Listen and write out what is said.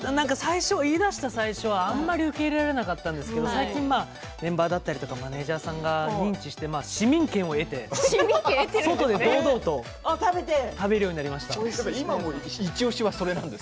言い出した最初はあんまり受け入れられなかったんですけれど最近はメンバーやマネージャーさんが認知して市民権を得て食べるようになっています。